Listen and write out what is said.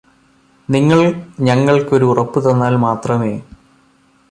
നിങ്ങള് ഞങ്ങള്ക്ക് ഒരു ഉറപ്പ് തന്നാൽ മാത്രമേ